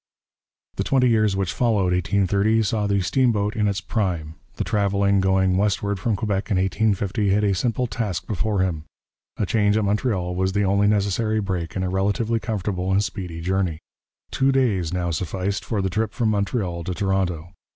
The twenty years which followed 1830 saw the steamboat in its prime. The traveller going westward from Quebec in 1850 had a simple task before him: a change at Montreal was the only necessary break in a relatively comfortable and speedy journey. Two days now sufficed for the trip from Montreal to Toronto.